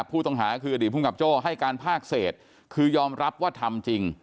ผู้ต้องหาคืออดีตภูมิกับโจ้ให้การภาคเศษคือยอมรับว่าทำจริง